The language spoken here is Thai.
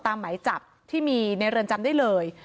หมายจับที่มีในเรือนจำได้เลย